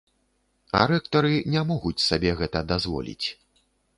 А рэктары не могуць сабе гэта дазволіць.